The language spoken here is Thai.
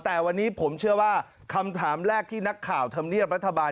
แต่วันนี้ผมเชื่อว่าคำถามแรกที่นักข่าวธรรมเนียบรัฐบาล